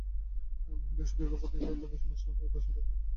মহেন্দ্র সুদীর্ঘ পথ নিতান্ত বিমর্ষ হইয়া বসিয়া থাকিল।